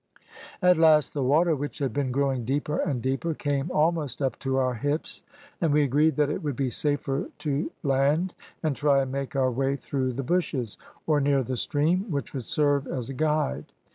"At last the water, which had been growing deeper and deeper, came almost up to our hips, and we agreed that it would be safer to land and try and make our way through the bushes, or near the stream, which would serve as a guide.